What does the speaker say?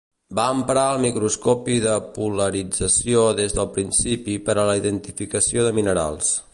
Va emprar el microscopi de polarització des del principi per a la identificació de minerals.